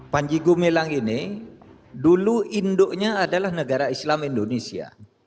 panji gumilang ini dulu induknya adalah negara islam indonesia